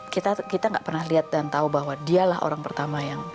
kita gak pernah lihat dan tahu bahwa dialah orang pertama yang